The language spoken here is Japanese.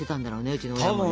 うちの親もね。